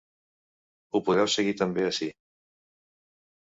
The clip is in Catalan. Ho podeu seguir també ací.